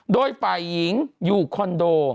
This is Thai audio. โดยฝ่ายหญิงอยู่คอนโด